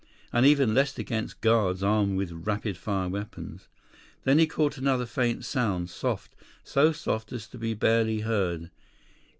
And even less against guards armed with rapid fire weapons. Then he caught another faint sound, soft, so soft as to be barely heard.